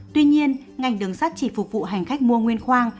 tuy nhiên ngành đường sắt chỉ phục vụ hành khách mua nguyên khoang